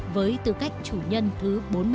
với tư cách chủ nhân thứ bốn